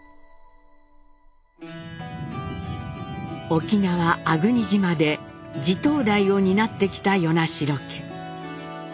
沖縄・粟国島で地頭代を担ってきた与那城家。